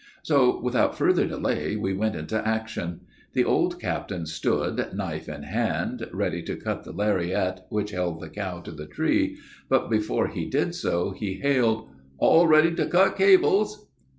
"So, without farther delay, we went into action. The old captain stood, knife in hand, ready to cut the lariat which held the cow to the tree, but, before he did so, he hailed, '_All ready to cut cables!